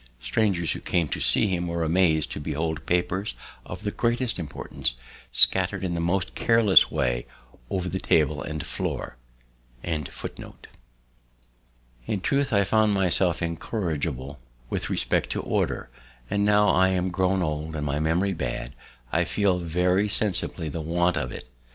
"Strangers who came to see him were amazed to behold papers of the greatest importance scattered in the most careless way over the table and floor." In truth, I found myself incorrigible with respect to Order; and now I am grown old, and my memory bad, I feel very sensibly the want of it.